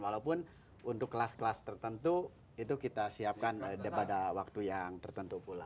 walaupun untuk kelas kelas tertentu itu kita siapkan pada waktu yang tertentu pula